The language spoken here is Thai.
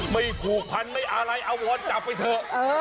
ผูกพันไม่อะไรอวรจับไปเถอะ